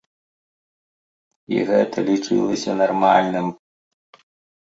І гэта лічылася нармальным.